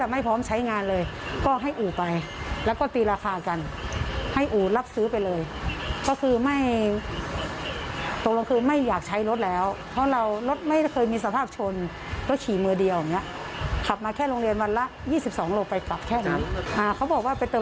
มันจะปล่อยไปถึงอู่รถยังไงครับ